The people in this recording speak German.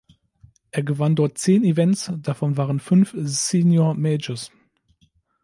Er gewann dort zehn Events, davon waren fünf Senior Majors.